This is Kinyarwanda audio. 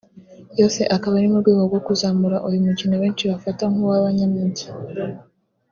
yose akaba ari mu rwego rwo kuzamura uyu mukino benshi bafata nk’uw’abanyamujyi